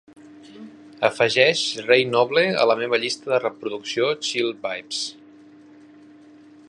Afegeix Ray Noble a la meva llista de reproducció Chill Vibes.